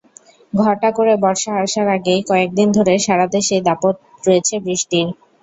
ঘটা করে বর্ষা আসার আগেই কয়েক দিন ধরে সারা দেশেই দাপট রয়েছে বৃষ্টির।